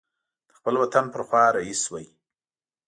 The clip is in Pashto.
د خپل وطن پر خوا رهي شوی.